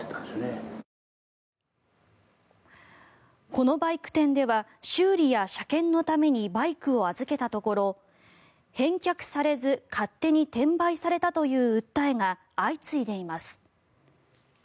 このバイク店では修理や車検のためにバイクを預けたところ返却されず勝手に転売されたという訴えが相次いでいます。